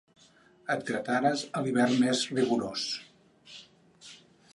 Et gratares a l'hivern més rigorós.